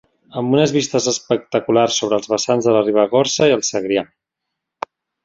Amb unes vistes espectaculars sobre els vessants de la Ribagorça i el Segrià.